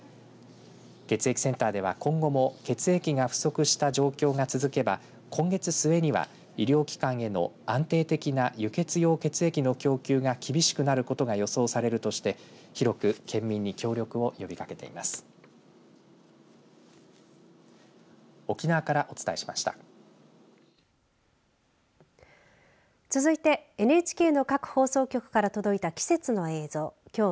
血液センターでは、今後も血液が不足した状況が続けば今月末には医療機関への安定的な輸血用血液の供給が厳しくなることが予想されるとして広く県民に協力を呼びかけています。